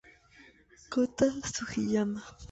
Kota Sugiyama